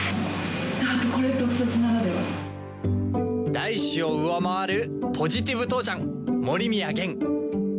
大志を上回るポジティブ父ちゃん森宮源。